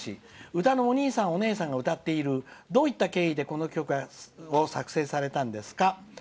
うたのおにいさんおねえさんが歌っている、どういった経緯でこの曲を作成されたんですか。